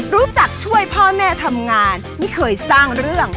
ช่วยพ่อแม่ทำงานไม่เคยสร้างเรื่อง